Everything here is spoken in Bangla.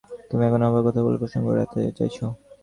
তুমি এখন আবহাওয়ার কথা বলে প্রসঙ্গ এড়াতে চাইছ।